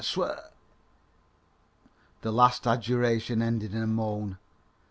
sw " The last adjuration ended in a moan.